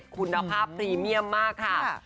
คุณภาพพรีเมียมมากค่ะ